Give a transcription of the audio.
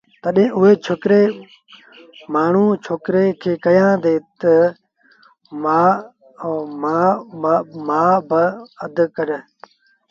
تڏهيݩ اُئي مآڻهوٚ ڇوڪري کي ڪهيآݩدي تا مآئيٚ مآݩ با اڌ ڪر